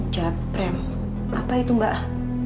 jatrem apa itu mbak